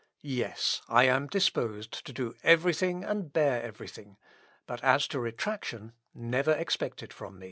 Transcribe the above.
Yes: I am disposed to do every thing and bear every thing; but as to retractation never expect it from me."